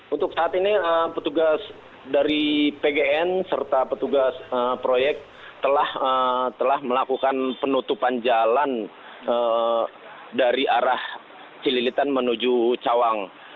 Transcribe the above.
untuk saat ini petugas dari pgn serta petugas proyek telah melakukan penutupan jalan dari arah cililitan menuju cawang